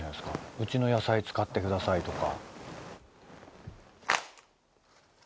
うちの野菜使ってくださいとか。